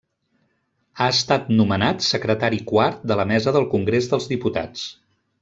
Ha estat nomenat secretari quart de la mesa del Congrés dels Diputats.